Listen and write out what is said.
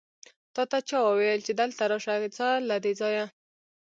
تاته چا وويل چې دلته راشه؟ ځه له دې ځايه!